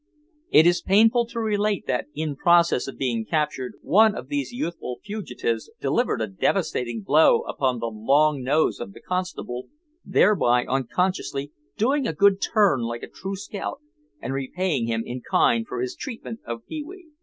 It is painful to relate that in process of being captured one of these youthful fugitives delivered a devastating blow upon the long nose of the constable thereby unconsciously doing a good turn like a true scout and repaying him in kind for his treatment of Pee wee.